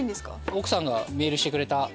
奥さんがメールしてくれたレシピ。